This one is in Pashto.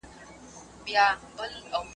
هغه څوک چي انځورونه رسم کوي هنر لري!!